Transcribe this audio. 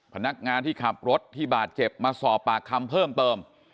พนักงานที่ขับรถที่บาดเจ็บมาสอบปากคำเพิ่มเติม